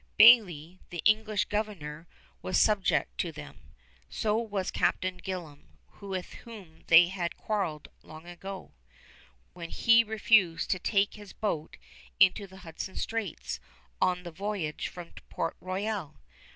Bayly, the English governor, was subject to them. So was Captain Gillam, with whom they had quarreled long ago, when he refused to take his boat into Hudson Straits on the voyage from Port Royal.